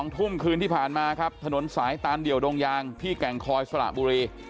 ทุ่มคืนที่ผ่านมาครับถนนสายตานเดี่ยวดงยางที่แก่งคอยสระบุรี